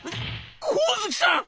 上月さん！」。